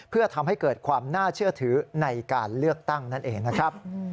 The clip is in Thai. เพื่อทำให้เกิดความน่าเชื่อถือในการเลือกตั้งนั่นเองนะครับ